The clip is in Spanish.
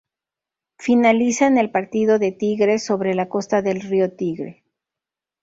Finaliza en el Partido de Tigre, sobre la costa del Río Tigre.